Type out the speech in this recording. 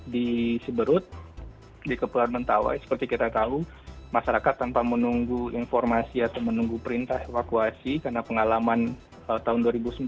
di seberut di kepulauan mentawai seperti kita tahu masyarakat tanpa menunggu informasi atau menunggu perintah evakuasi karena pengalaman tahun dua ribu sembilan belas